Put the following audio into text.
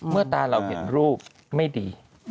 ตาเราเห็นรูปไม่ดี